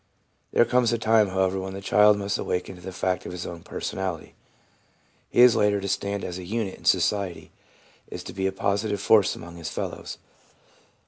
There comes a time, however, when the child must awaken to the fact of his own personality. He is later to stand as a unit in society, is to be a positive force among his fellows.